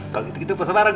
kalo gitu gitu puasa bareng